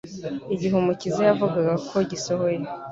Igihe Umukiza yavugaga ko gisohoye,